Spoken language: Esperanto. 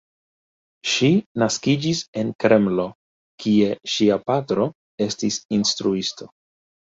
Ŝi naskiĝis en Kremlo, kie ŝia patro estis instruisto.